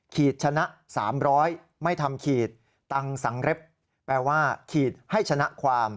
ขีดชนะสามร้อยไม่ทำขีดตังสังเร็บแปลว่าขีดให้ชนะความ